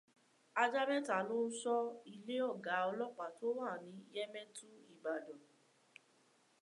Ajá mẹ́ta ló ń ṣọ́ ilé ọ̀gá ọlọ́pàá tó wà ní Yemẹtu Ìbàdàn